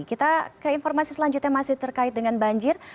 kita ke informasi selanjutnya masih terkait dengan banjir